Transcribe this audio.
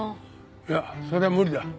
いやそれは無理だ。